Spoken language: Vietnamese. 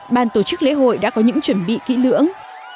ban tổ chức lễ hội đã có những chuẩn bị kỹ lưỡng